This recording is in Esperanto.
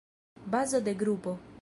Bazo de grupo.